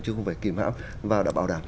chứ không phải kìm hãm và đảm bảo đảm